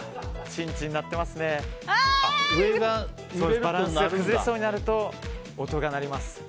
バランス崩れそうになると音が鳴ります。